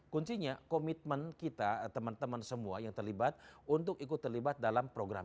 kuncinya komitmen kita teman teman semua yang terlibat untuk ikut terlibat dalam program